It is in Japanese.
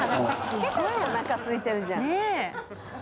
すごいおなかすいてるじゃん。